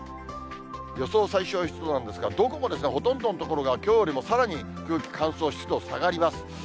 予想最小湿度なんですが、どこもほとんどの所が、きょうよりもさらに空気乾燥、湿度下がります。